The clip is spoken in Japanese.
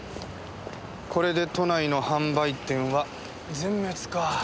これで都内の販売店は全滅かぁ。